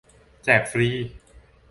แจก ฟรี !